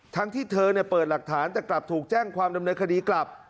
ที่เธอเปิดหลักฐานแต่กลับถูกแจ้งความดำเนินคดีกลับ